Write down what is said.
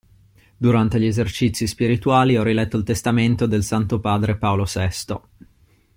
Durante gli esercizi spirituali ho riletto il testamento del Santo Padre Paolo VI.